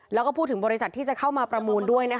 แล้วก็พูดถึงบริษัทที่จะเข้ามาประมูลด้วย